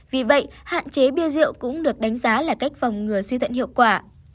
vì vậy hạn chế bia rượu cũng được đánh giá là cách phòng ngừa suy thận hiệu quả